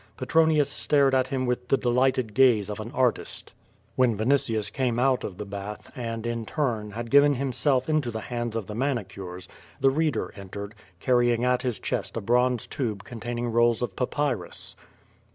Petronius stared at him with the de lighted gaze of an artist. When Vinitiufl came out of the bath and, in turn, had given himself into the hands of the manicures, the reader entered, carrying at his chest a bronze tube containing rolls of papyrus.